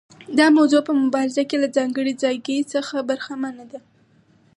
دا موضوع په مبارزه کې له ځانګړي ځایګي څخه برخمنه ده.